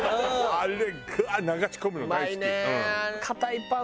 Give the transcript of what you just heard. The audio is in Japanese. あれガーッ流し込むの大好き。